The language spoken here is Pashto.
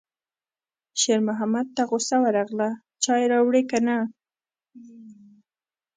شېرمحمد ته غوسه ورغله: چای راوړې که نه